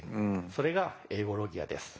それが「英語ロギア」です。